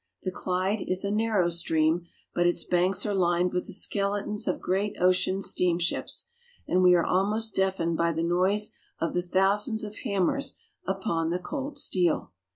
The Clyde is a narrow stream, but its banks are lined with the skeletons of great ocean steam ships, and we are almost deafened by the noise of the thousands of hammers upon the cold steel.